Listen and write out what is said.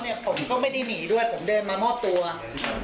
ใช่ครับใช่ครับเป็นฟื้นถูกต้อง